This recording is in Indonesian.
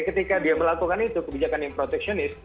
ketika dia melakukan itu kebijakan yang proteksionis